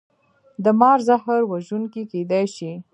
د مار زهر وژونکي کیدی شي